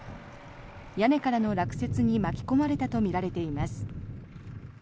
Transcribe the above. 屋根からの落雪に巻き込まれたとみられています。